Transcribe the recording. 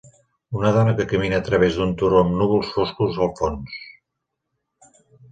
Una dona que camina a través d'un turó amb núvols foscos al fons.